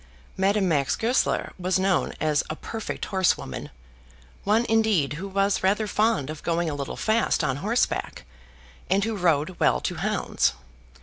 Madame Max Goesler was known as a perfect horsewoman, one indeed who was rather fond of going a little fast on horseback, and who rode well to hounds.